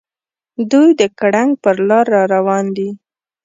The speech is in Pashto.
دوي د ګړنګ پر لار راروان دي.